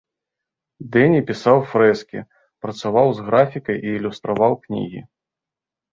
Дэні пісаў фрэскі, працаваў з графікай і ілюстраваў кнігі.